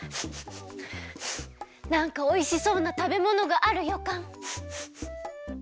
なんかおいしそうなたべものがあるよかん。